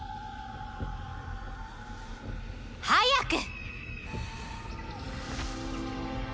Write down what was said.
早く！